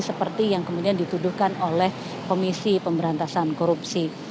seperti yang kemudian dituduhkan oleh komisi pemberantasan korupsi